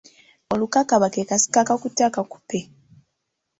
Olukakaba ke kasiko akakutte akakupe.